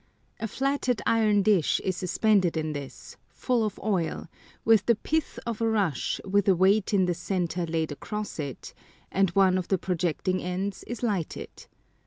A flatted iron dish is suspended in this full of oil, with the pith of a rush with a weight in the centre laid across it, and one of the projecting ends is lighted.